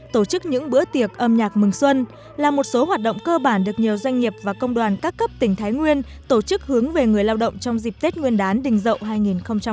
tổ chức những bữa tiệc âm nhạc mừng xuân là một số hoạt động cơ bản được nhiều doanh nghiệp và công đoàn các cấp tỉnh thái nguyên tổ chức hướng về người lao động trong dịp tết nguyên đán đình dậu hai nghìn hai mươi